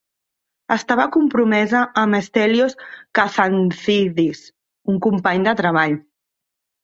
Estava compromesa amb Stelios Kazantzidis, un company de treball.